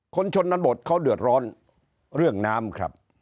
ชนบทเขาเดือดร้อนเรื่องน้ำครับ